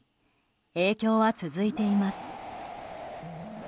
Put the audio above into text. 影響は続いています。